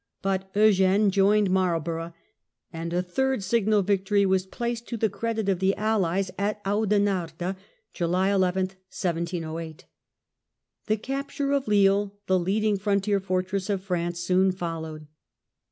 But Eugene joined Marlborough, and a third signal victory was placed to the credit of the Allies at Oudenarde (July 11, 1708). The capture of Lille, the leading frontier fortress of France, soon followed.